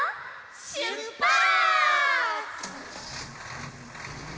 しゅっぱつ！